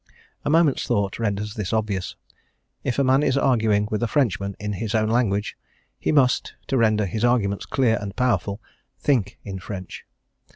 A moment's thought renders this obvious; if a man is arguing with a Frenchman in his own language, he must, to render his arguments clear and powerful, think in French.